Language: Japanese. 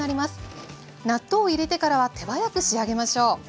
納豆を入れてからは手早く仕上げましょう。